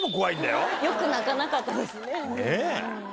よく泣かなかったですね。ねぇ。